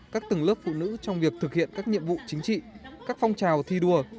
các tầng lớp phụ nữ trong việc thực hiện các nhiệm vụ chính trị các phong trào thi đua